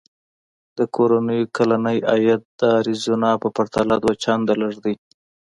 د کورنیو کلنی عاید د اریزونا په پرتله دوه چنده لږ دی.